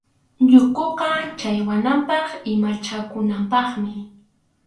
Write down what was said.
Llukuqa challwanapaq ima chakunapaqmi.